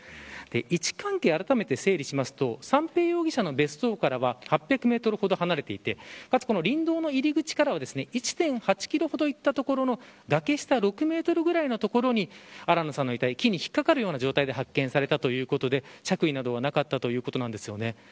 位置関係、あらためて整理すると三瓶容疑者の別荘からは８００メートルほど離れていてかつ、この林道の入り口からは１．８キロいった所の崖下６メートルぐらいのところに新野さんの遺体が木に引っ掛かるような状態で発見されだということで着衣などはなかったということです。